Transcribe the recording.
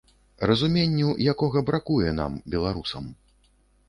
Разуменню, якога бракуе нам, беларусам.